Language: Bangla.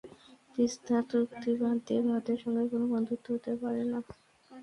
তিস্তা চুক্তি বাদ দিয়ে ভারতের সঙ্গে কোনো বন্ধুত্ব হতে পারে না।